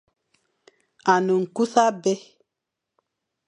A ne nkus abé.